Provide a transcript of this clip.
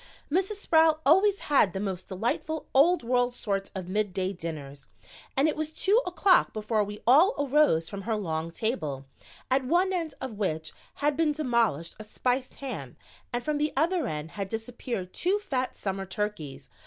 Mrs. Sproul always has the most delightful old world sort of midday dinners and it was two o'clock before we all arose from her long table, at one end of which had been demolished a spiced ham and from the other end had disappeared two fat summer turkeys.